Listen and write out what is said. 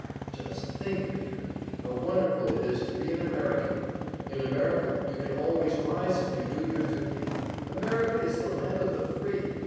"Just think, Peter, how wonderful it is to be an American! In America you can always rise if you do your duty! America is the land of the free!